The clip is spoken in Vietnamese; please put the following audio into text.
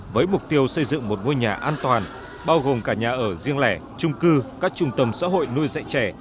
với mục tiêu xây dựng một ngôi nhà an toàn bao gồm cả nhà ở riêng lẻ trung cư các trung tâm xã hội nuôi dạy trẻ